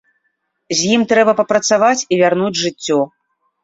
З ім трэба папрацаваць і вярнуць жыццё.